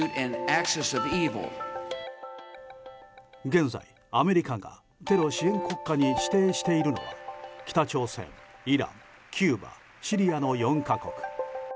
現在、アメリカがテロ支援国家に指定しているのは北朝鮮、イラン、キューバシリアの４か国。